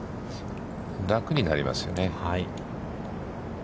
楽になりますよね。